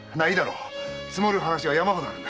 積もる話が山ほどあるんだ。